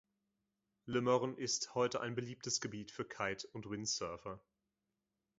Le Morne ist heute ein beliebtes Gebiet für Kite- und Windsurfer.